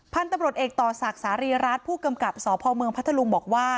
พันธุ์ตำรวจเอกต่อศักดิ์สารีรัฐผู้กำกับสพเมืองพัทธลุงบอกว่า